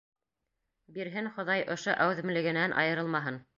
Бирһен Хоҙай, ошо әүҙемлегенән айырылмаһын.